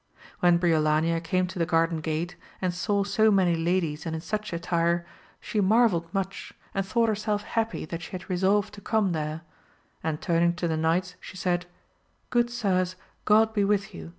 When Briolania came to the garden gate, and saw so many ladies and in such attire, she marvelled VOL. m. 9 130 AMADIS OF GAUL. much, and thought herself happy that she had re solved to come there, and turning to the knights she said, Good sirs, God be with ye !